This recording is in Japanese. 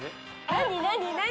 何何何？